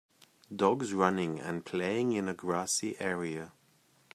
Dogs running and playing in a grassy area.